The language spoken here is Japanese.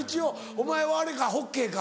お前はあれかホッケーか？